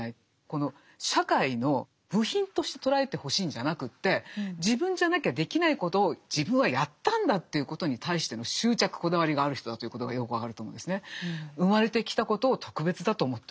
この社会の部品として捉えてほしいんじゃなくて自分じゃなきゃできないことを自分はやったんだということに対しての執着こだわりがある人だということがよく分かると思うんですね。